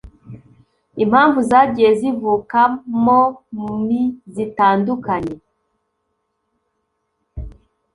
impamvu zagiye zivukamom zitandukanye